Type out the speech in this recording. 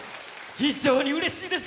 非常にうれしいです！